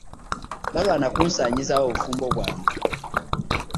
Balwaana kunsaanyizawo bufumbo bwange.